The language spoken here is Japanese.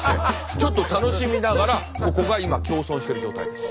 ちょっと楽しみながらここが今共存している状態です。